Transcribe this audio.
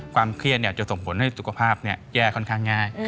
ความเครียดจะส่งผลให้สุขภาพแย่ค่อนข้างง่าย